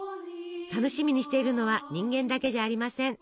楽しみにしているのは人間だけじゃありません。